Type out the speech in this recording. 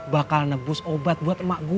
bakal nebus obat buat emak gue